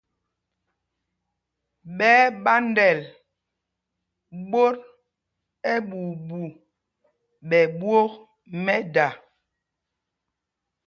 Ɓɛ́ ɛ́ ɓándɛl ɓot ɛɓuuɓu ɓɛ ɓwôk mɛ́da.